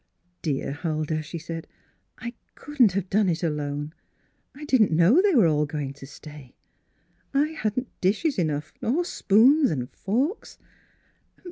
" Dear Huldah," she said, " I couldn't have done it alone. I didn't know they were all going to stay. I hadn't dishes enough, nor spoons and forks.